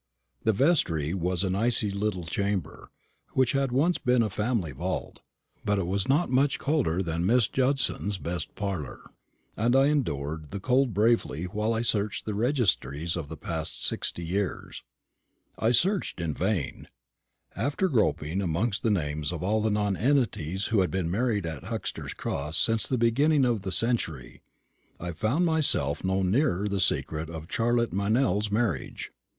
The vestry was an icy little chamber, which had once been a family vault; but it was not much colder than Miss Judson's best parlour; and I endured the cold bravely while I searched the registries of the last sixty years. I searched in vain. After groping amongst the names of all the nonentities who had been married at Huxter's Cross since the beginning of the century, I found myself no nearer the secret of Charlotte Meynell's marriage.